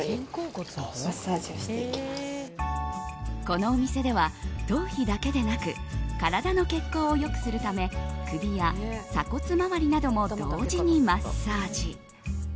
このお店では頭皮だけでなく体の血行を良くするため首や鎖骨周りなども同時にマッサージ。